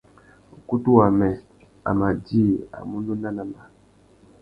Ukutu wamê a má djï a munú nanamba.